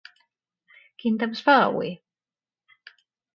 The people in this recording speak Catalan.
quin temps fa avui?